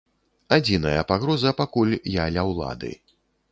Адзіная пагроза, пакуль я ля ўлады.